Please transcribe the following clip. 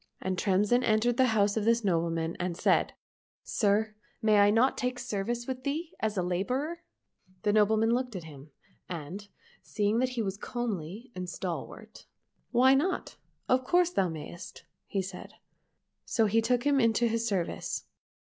And Tremsin entered the house of this nobleman and said, " Sir, may I not take service with thee as a labourer ?"— The nobleman looked at him, and seeing that he at as comely and stalwart, " Why not ? Of course thou mayst," said he. So he took him into his service.